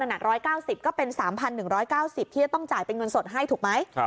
๑๙๐ก็เป็น๓๑๙๐ที่จะต้องจ่ายเป็นเงินสดให้ถูกไหม